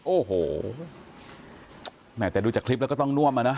โอ้โหแหมแต่ดูจากคลิปแล้วก็ต้องน่วมอ่ะนะ